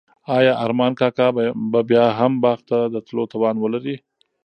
آیا ارمان کاکا به بیا هم باغ ته د تلو توان ولري؟